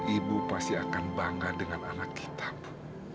ibu pasti akan bangga dengan anak kita bu